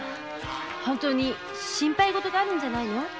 本当に心配ごとがあるんじゃないの？